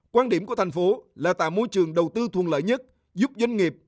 quan điểm của thành phố là tạo môi trường đầu tư thuận lợi nhất giúp doanh nghiệp